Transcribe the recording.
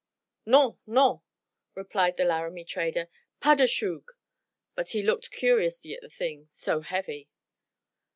"Non, non!" replied the Laramie trader. "Pas de shoog!" But he looked curiously at the thing, so heavy.